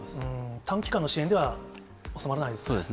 短期間の支援では収まらないですね。